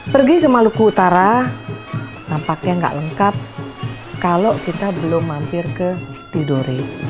pergi ke maluku utara nampaknya nggak lengkap kalau kita belum mampir ke tidore